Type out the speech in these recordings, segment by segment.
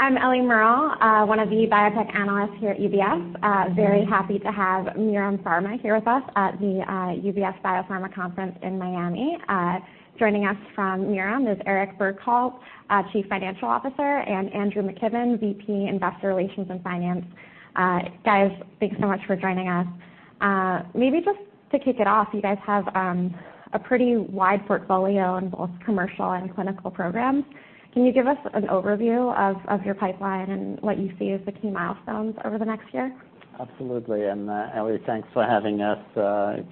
I'm Ellie Merle, one of the biotech analysts here at UBS. Very happy to have Mirum Pharma here with us at the UBS Biopharma Conference in Miami. Joining us from Mirum is Eric Bjerkholt, Chief Financial Officer, and Andrew McKibben, VP, Investor Relations and Finance. Guys, thanks so much for joining us. Maybe just to kick it off, you guys have a pretty wide portfolio in both commercial and clinical programs. Can you give us an overview of your pipeline and what you see as the key milestones over the next year? Absolutely, and, Ellie, thanks for having us.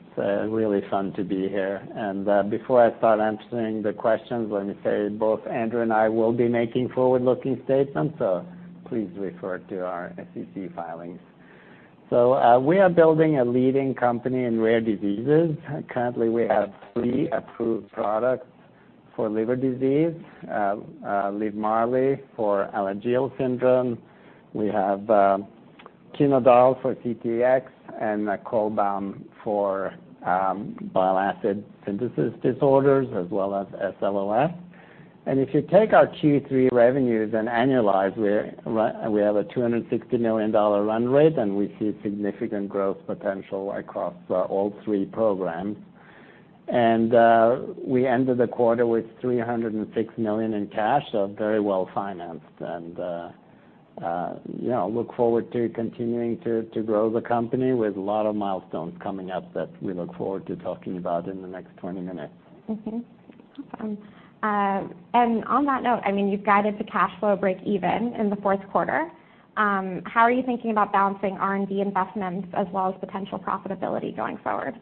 It's really fun to be here. And, before I start answering the questions, let me say both Andrew and I will be making forward-looking statements, so please refer to our SEC filings. So, we are building a leading company in rare diseases. Currently, we have three approved products for liver disease: LIVMARLI for Alagille syndrome, we have Chenodal for CTX, and Cholbam for bile acid synthesis disorders as well as SLOS. And if you take our Q3 revenues and annualize, we have a $260 million run rate, and we see significant growth potential across all three programs. We ended the quarter with $306 million in cash, so very well-financed, and yeah, look forward to continuing to grow the company with a lot of milestones coming up that we look forward to talking about in the next 20 minutes. Okay. And on that note, I mean, you've guided to cash flow break-even in the fourth quarter. How are you thinking about balancing R&D investments as well as potential profitability going forward?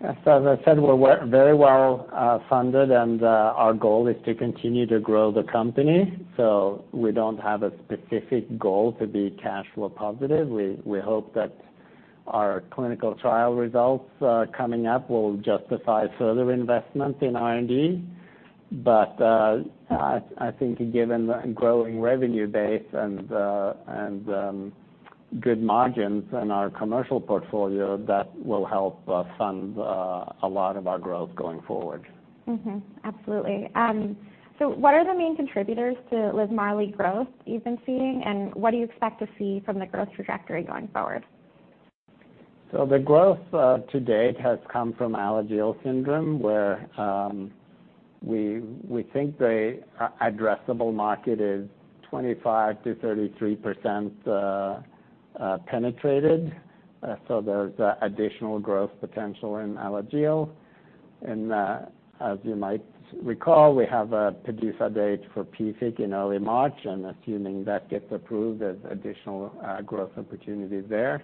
So as I said, we're very well funded, and our goal is to continue to grow the company. So we don't have a specific goal to be cash flow positive. We hope that our clinical trial results coming up will justify further investment in R&D. But I think given the growing revenue base and good margins in our commercial portfolio, that will help fund a lot of our growth going forward. Absolutely. So what are the main contributors to LIVMARLI growth you've been seeing, and what do you expect to see from the growth trajectory going forward? So the growth to date has come from Alagille syndrome, where we think the addressable market is 25%-33% penetrated. So there's additional growth potential in Alagille. And as you might recall, we have a PDUFA date for PFIC in early March, and assuming that gets approved, there's additional growth opportunities there.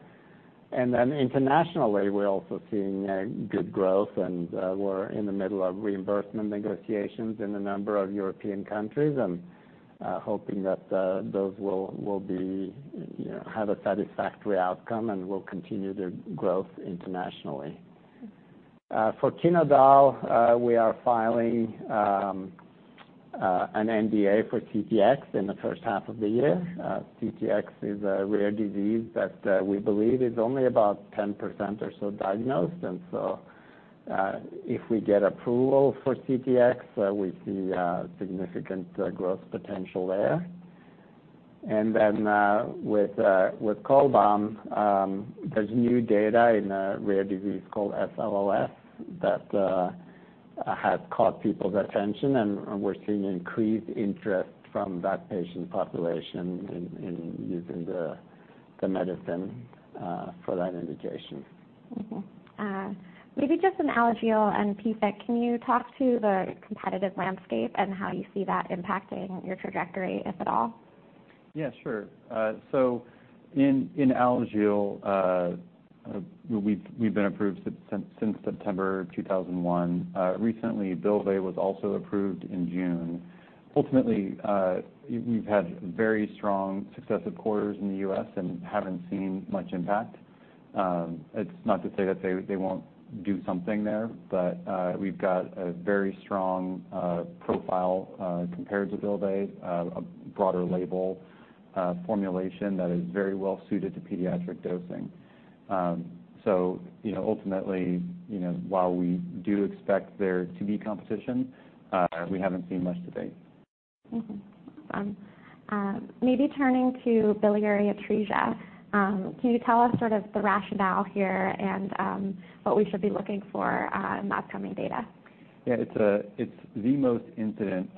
And then internationally, we're also seeing good growth, and we're in the middle of reimbursement negotiations in a number of European countries and hoping that those will, you know, have a satisfactory outcome and will continue their growth internationally. For Chenodal, we are filing an NDA for CTX in the first half of the year. CTX is a rare disease that we believe is only about 10% or so diagnosed. If we get approval for CTX, we see significant growth potential there. With Cholbam, there's new data in a rare disease called SLOS that has caught people's attention, and we're seeing increased interest from that patient population in using the medicine for that indication. Maybe just on Alagille and PFIC, can you talk to the competitive landscape and how you see that impacting your trajectory, if at all? Yeah, sure. So in Alagille, we've been approved since September 2001. Recently, BYLVAY was also approved in June. Ultimately, we've had very strong successive quarters in the US and haven't seen much impact. It's not to say that they won't do something there, but we've got a very strong profile compared to BYLVAY, a broader label, formulation that is very well suited to pediatric dosing. Ultimately, while we do expect there to be competition, we haven't seen much to date. Maybe turning to biliary atresia, can you tell us sort of the rationale here and what we should be looking for in the upcoming data? It's the most common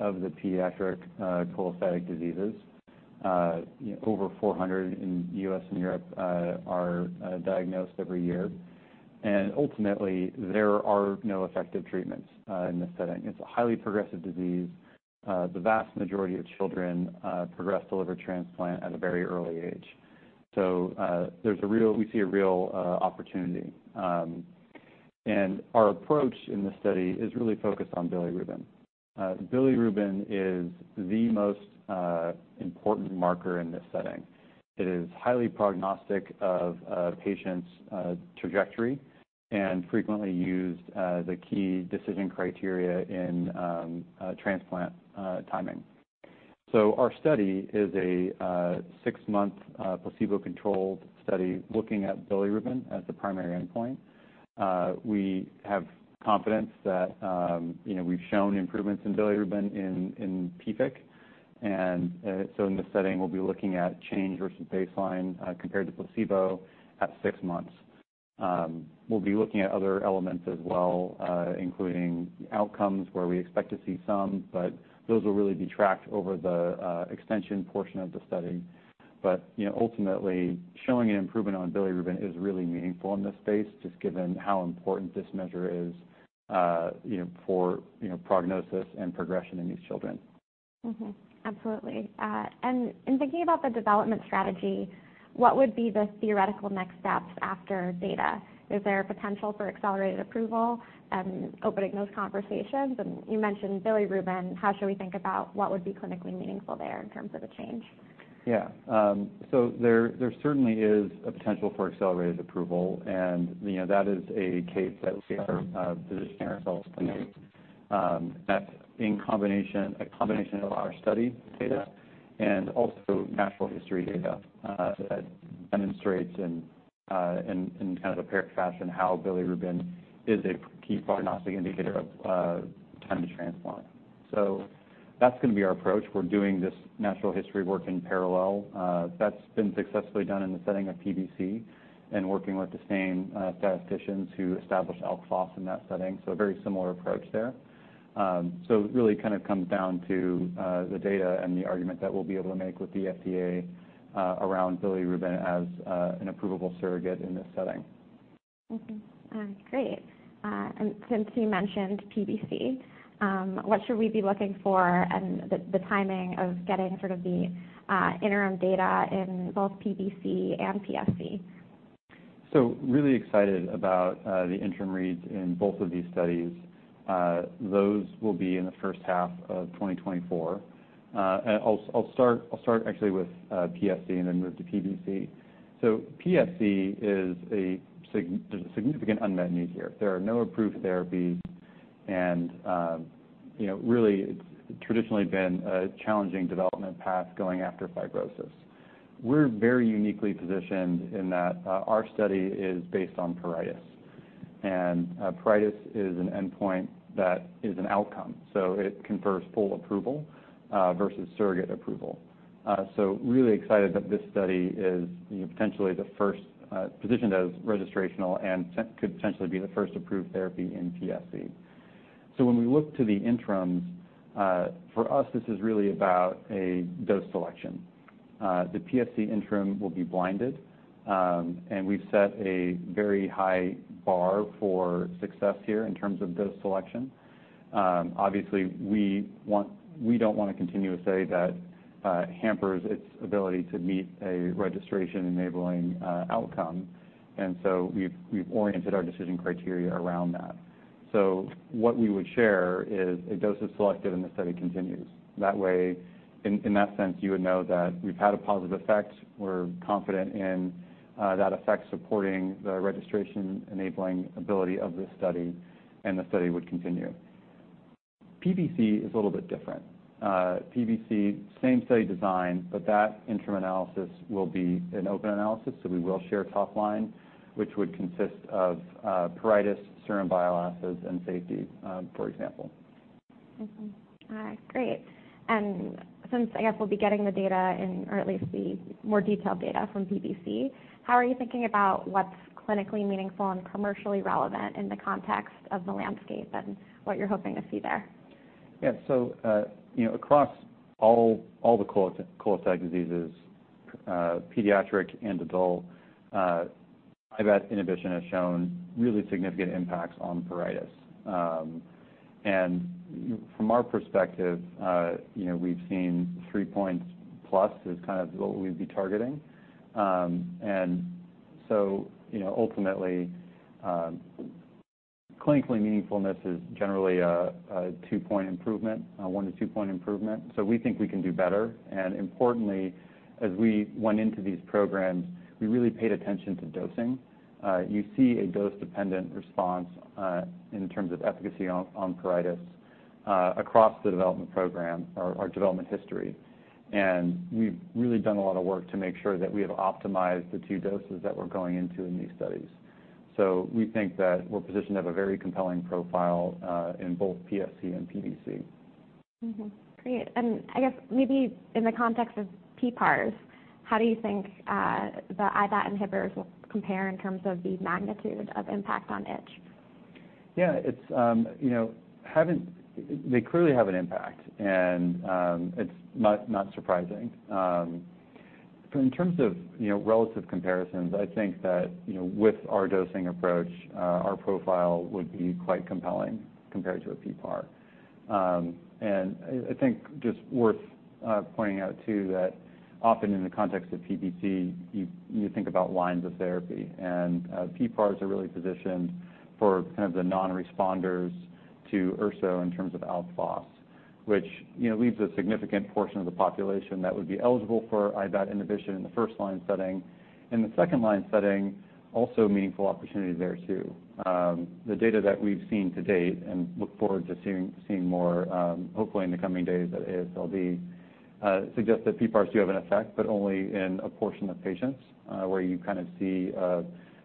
pediatric, cholestatic diseases. Over 400 in U.S. and Europe are diagnosed every year. And ultimately, there are no effective treatments in this setting. It's a highly progressive disease. The vast majority of children progress to liver transplant at a very early age. So, there's a real, we see a real opportunity. And our approach in this study is really focused on bilirubin. Bilirubin is the most important marker in this setting. It is highly prognostic of a patient's trajectory and frequently used the key decision criteria in transplant timing. So our study is a six-month placebo-controlled study looking at bilirubin as the primary endpoint. We have confidence that, you know, we've shown improvements in bilirubin in PFIC. So in this setting, we'll be looking at change versus baseline, compared to placebo at 6 months. We'll be looking at other elements as well, including outcomes, where we expect to see some, but those will really be tracked over the extension portion of the study. But you know, ultimately, showing an improvement on bilirubin is really meaningful in this space, just given how important this measure is, you know, for you know, prognosis and progression in these children. Absolutely. And in thinking about the development strategy, what would be the theoretical next steps after data? Is there a potential for accelerated approval and opening those conversations? And you mentioned bilirubin, how should we think about what would be clinically meaningful there in terms of the change? So there certainly is a potential for accelerated approval, and, you know, that is a case that we have positioned ourselves to make. That's a combination of our study data and also natural history data that demonstrates in kind of a paired fashion, how bilirubin is a key prognostic indicator of time to transplant. So that's gonna be our approach. We're doing this natural history work in parallel. That's been successfully done in the setting of PBC and working with the same statisticians who established Alk Phos in that setting, so a very similar approach there. So it really kind of comes down to the data and the argument that we'll be able to make with the FDA around bilirubin as an approvable surrogate in this setting. Great. And since you mentioned PBC, what should we be looking for and the timing of getting sort of the interim data in both PBC and PSC? So really excited about the interim reads in both of these studies. Those will be in the first half of 2024. And I'll start actually with PSC and then move to PBC. So PSC is. There's a significant unmet need here. There are no approved therapies, and you know, really it's traditionally been a challenging development path going after fibrosis. We're very uniquely positioned in that our study is based on pruritus, and pruritus is an endpoint that is an outcome, so it confers full approval versus surrogate approval. So really excited that this study is, you know, potentially the first positioned as registrational and potentially could be the first approved therapy in PSC. So when we look to the interims, for us, this is really about a dose selection. The PSC interim will be blinded, and we've set a very high bar for success here in terms of dose selection. Obviously, we want, we don't want to continue a study that hampers its ability to meet a registration-enabling outcome, and so we've oriented our decision criteria around that. So what we would share is a dose is selected, and the study continues. That way, in that sense, you would know that we've had a positive effect. We're confident in that effect supporting the registration-enabling ability of this study, and the study would continue. PBC is a little bit different. PBC, same study design, but that interim analysis will be an open analysis, so we will share top line, which would consist of pruritus, serum bioassays, and safety, for example. Great. And since I guess we'll be getting the data in, or at least the more detailed data from PBC, how are you thinking about what's clinically meaningful and commercially relevant in the context of the landscape and what you're hoping to see there? Across all the cholestatic type diseases, pediatric and adult, IBAT inhibition has shown really significant impacts on pruritus. And from our perspective, you know, we've seen 3 points+ is what we'd be targeting. And so, you know, ultimately, clinically meaningfulness is generally a 2-point improvement, 1 to 2-point improvement, so we think we can do better. And importantly, as we went into these programs, we really paid attention to dosing. You see a dose-dependent response in terms of efficacy on pruritus across the development program or our development history. And we've really done a lot of work to make sure that we have optimized the two doses that we're going into in these studies. We think that we're positioned to have a very compelling profile in both PSC and PBC. Great. And I guess maybe in the context of PPARs, how do you think the IBAT inhibitors will compare in terms of the magnitude of impact on itch? they clearly have an impact, and, it's not surprising. But in terms of, you know, relative comparisons, I think that, you know, with our dosing approach, our profile would be quite compelling compared to a PPAR. And I think just worth pointing out, too, that often in the context of PBC, you think about lines of therapy, and PPARs are really positioned for kind of the non-responders to urso in terms of Alk Phos, which leaves a significant portion of the population that would be eligible for IBAT inhibition in the first-line setting. In the second-line setting, also meaningful opportunity. The data that we've seen to date, and look forward to seeing more, hopefully, in the coming days at AASLD, suggests that PPARs do have an effect, but only in a portion of patients, where you kind of see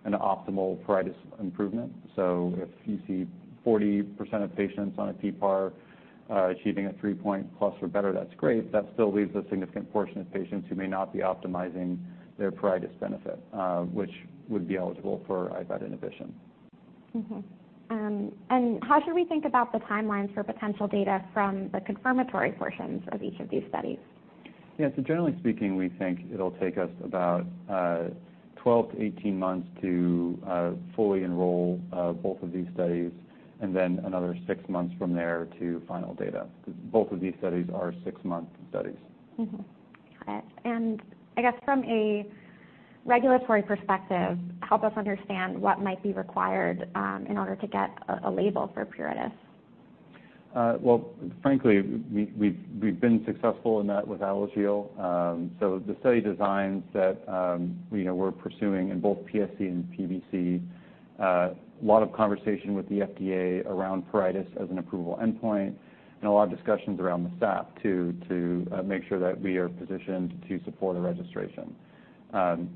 an optimal pruritus improvement. So if you see 40% of patients on a PPAR achieving a 3-point+ or better, that's great. That still leaves a significant portion of patients who may not be optimizing their pruritus benefit, which would be eligible for IBAT inhibition. And how should we think about the timelines for potential data from the confirmatory portions of each of these studies? Generally speaking, we think it'll take us about 12-18 months to fully enroll both of these studies, and then another 6 months from there to final data. Both of these studies are 6-month studies. Got it. I guess from a regulatory perspective, help us understand what might be required in order to get a label for pruritus? Well, frankly, we've been successful in that with Alagille. So the study designs that you know we're pursuing in both PSC and PBC, a lot of conversation with the FDA around pruritus as an approval endpoint, and a lot of discussions around the staff, too, to make sure that we are positioned to support a registration.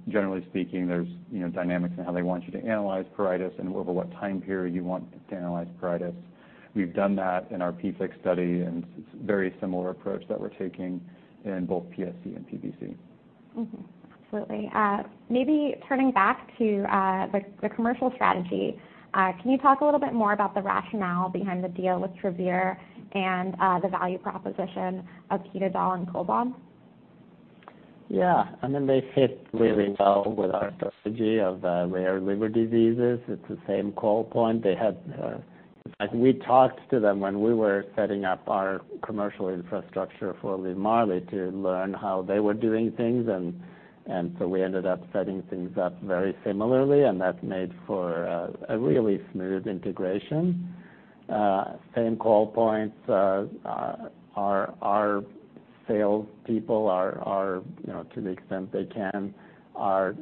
Generally speaking, there's you know dynamics in how they want you to analyze pruritus and over what time period you want to analyze pruritus. We've done that in our PFIC study, and it's a very similar approach that we're taking in both PSC and PBC. Absolutely. Maybe turning back to the commercial strategy, can you talk a little bit more about the rationale behind the deal with Travere and the value proposition of Chenodal and Cholbam? Yeah, I mean, they fit really well with our strategy of rare liver diseases. It's the same call point. In fact, we talked to them when we were setting up our commercial infrastructure for LIVMARLI to learn how they were doing things, and so we ended up setting things up very similarly, and that made for a really smooth integration. Same call points, our sales people are to the extent they can, are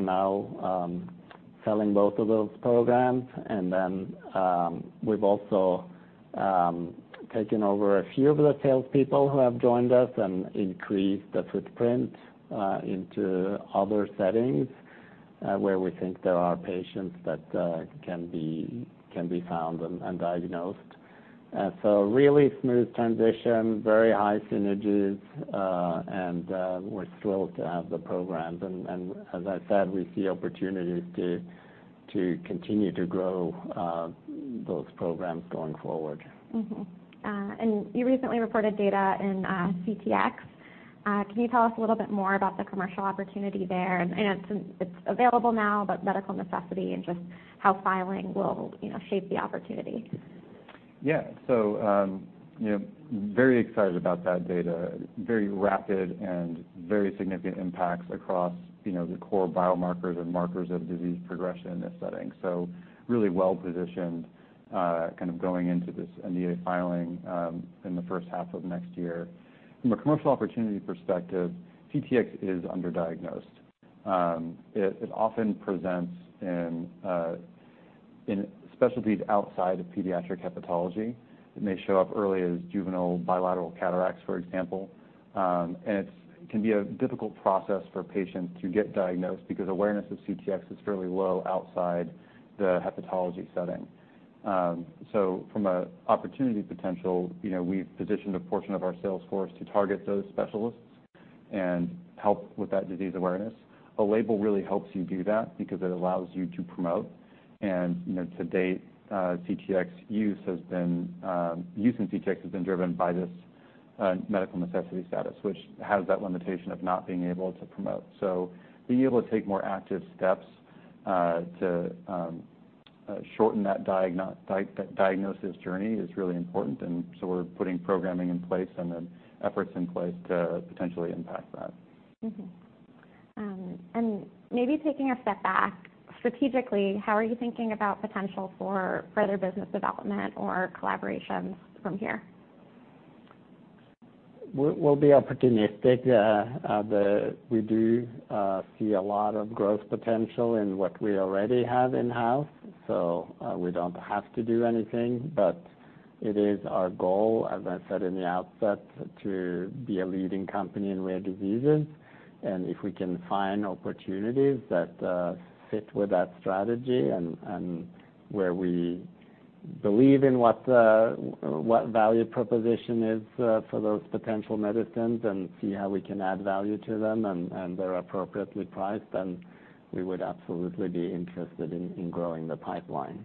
now selling both of those programs. And then, we've also taken over a few of the salespeople who have joined us and increased the footprint into other settings, where we think there are patients that can be found and diagnosed. So really smooth transition, very high synergies, and we're thrilled to have the programs. And as I said, we see opportunities to continue to grow those programs going forward. And you recently reported data in CTX. Can you tell us a little bit more about the commercial opportunity there? And I know it's, it's available now, but medical necessity and just how filing will, you know, shape the opportunity. Yeah. So, you know, very excited about that data. Very rapid and very significant impacts across, you know, the core biomarkers and markers of disease progression in this setting. So really well-positioned, kind of going into this NDA filing, in the first half of next year. From a commercial opportunity perspective, CTX is underdiagnosed. It often presents in specialties outside of pediatric hepatology. It may show up early as juvenile bilateral cataracts, for example. And it can be a difficult process for patients to get diagnosed because awareness of CTX is fairly low outside the hepatology setting. So from a opportunity potential, you know, we've positioned a portion of our sales force to target those specialists and help with that disease awareness. A label really helps you do that because it allows you to promote. To date, CTX use has been, use in CTX has been driven by this, medical necessity status, which has that limitation of not being able to promote. So being able to take more active steps, to, shorten that diagnosis journey is really important, and so we're putting programming in place and then efforts in place to potentially impact that. Maybe taking a step back, strategically, how are you thinking about potential for further business development or collaborations from here? We'll be opportunistic. We do see a lot of growth potential in what we already have in-house, so we don't have to do anything. But it is our goal, as I said in the outset, to be a leading company in rare diseases. And if we can find opportunities that fit with that strategy and where we believe in what the value proposition is for those potential medicines and see how we can add value to them and they're appropriately priced, then we would absolutely be interested in growing the pipeline.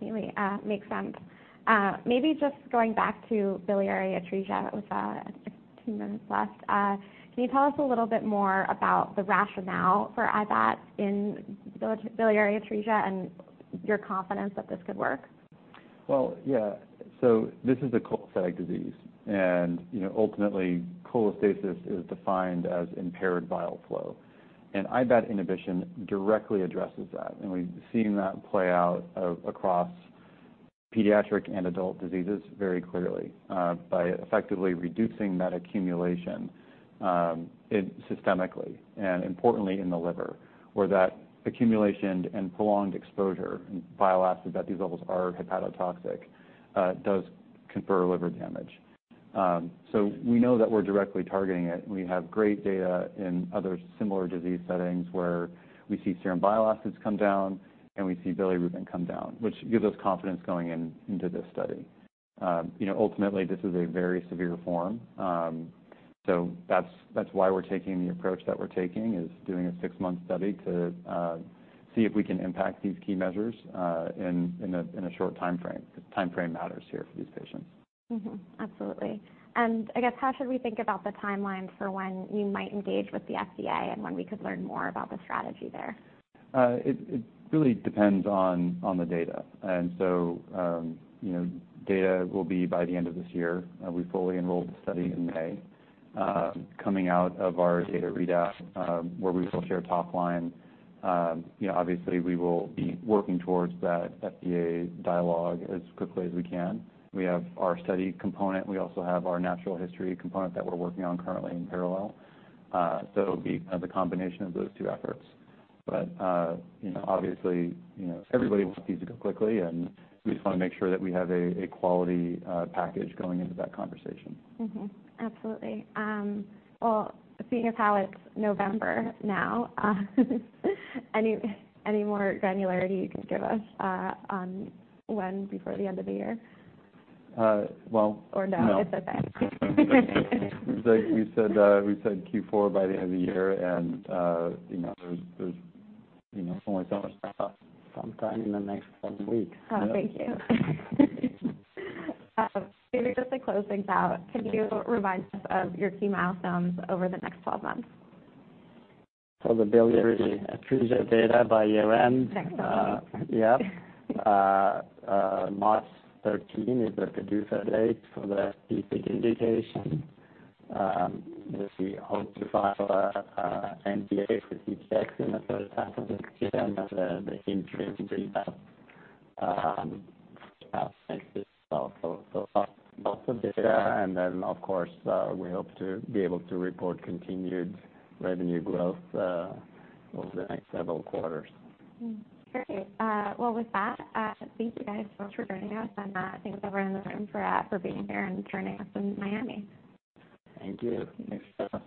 Really, makes sense. Maybe just going back to biliary atresia with two minutes left. Can you tell us a little bit more about the rationale for IBAT in biliary atresia and your confidence that this could work? Well, yeah. So this is a cholestatic disease, and, you know, ultimately, cholestasis is defined as impaired bile flow. And IBAT inhibition directly addresses that, and we've seen that play out across pediatric and adult diseases very clearly, by effectively reducing that accumulation, systemically and importantly, in the liver, where that accumulation and prolonged exposure in bile acid, at these levels are hepatotoxic, does confer liver damage. So we know that we're directly targeting it. We have great data in other similar disease settings where we see serum bile acids come down, and we see bilirubin come down, which gives us confidence going into this study. You know, ultimately, this is a very severe form. So that's why we're taking the approach that we're taking, is doing a six-month study to see if we can impact these key measures in a short timeframe. The timeframe matters here for these patients. Absolutely. I guess, how should we think about the timeline for when you might engage with the FDA and when we could learn more about the strategy there? It really depends on the data. And so, you know, data will be by the end of this year, we fully enrolled the study in May. Coming out of our data readout, where we will share top line, you know, obviously, we will be working towards that FDA dialogue as quickly as we can. We have our study component, we also have our natural history component that we're working on currently in parallel. So it'll be kind of a combination of those two efforts. But, you know, obviously, you know, everybody wants these to go quickly, and we just wanna make sure that we have a quality package going into that conversation. Absolutely. Well, seeing as how it's November now, any more granularity you can give us on when before the end of the year or no? No. It's okay. Like we said, we said Q4 by the end of the year, and, you know, there's only so much time left. Sometime in the next four weeks. Oh, thank you. Maybe just to close things out, can you remind us of your key milestones over the next twelve months? For the biliary atresia data by year-end. Thanks. March 13 is the PDUFA date for the PFIC indication. As we hope to file an NDA for TCGX in the first half of this year, and the INTRIGUE data, most of this data. And then, of course, we hope to be able to report continued revenue growth over the next several quarters. Great. Well, with that, thank you guys both for joining us, and thanks everyone in the room for being here and joining us in Miami. Thank you. Thanks, Sarah.